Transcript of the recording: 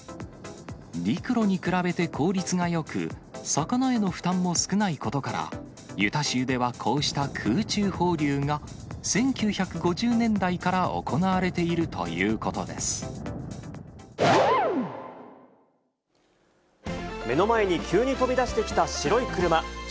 陸路に比べて効率がよく、魚への負担も少ないことから、ユタ州ではこうした空中放流が、１９５０年代から行われていると感染拡大の歯止めの鍵を握るワクチン接種。